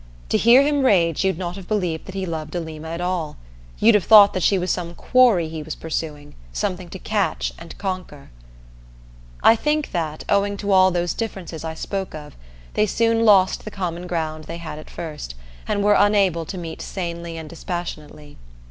To hear him rage you'd not have believed that he loved Alima at all you'd have thought that she was some quarry he was pursuing, something to catch and conquer. I think that, owing to all those differences I spoke of, they soon lost the common ground they had at first, and were unable to meet sanely and dispassionately.